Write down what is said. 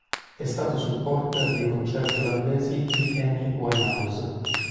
È stato supporter dei concerti olandesi di Amy Winehouse.